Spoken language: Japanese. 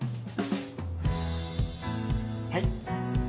はい。